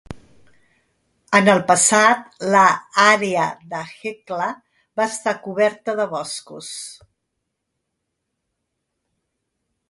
En el passat, l'àrea de l'Hekla va estar coberta de boscos.